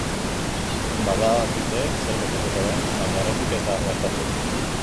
Badakite zer gertatuko den, baina oraindik ez da gertatu.